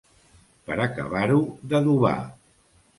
Per acabar-ho d'adobar.